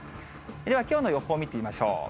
ではきょうの予報見てみましょう。